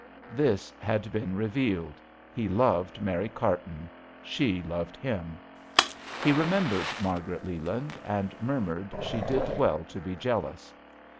This had been revealed : he loved Mary Carton, she loved him. He remembered Margaret Leland, and murmured she did well to be jealous.